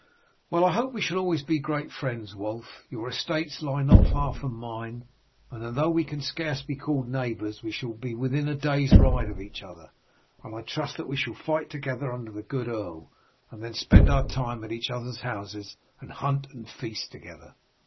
Well, I hope we shall be always great friends, Wulf. Your estates lie not far from mine, and though we can scarce be called neighbours we shall be within a day's ride of each other, and I trust that we shall fight together under the good earl, and often spend our time at each other's houses, and hunt and feast together."